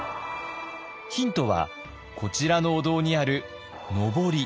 ヒントはこちらのお堂にあるのぼり。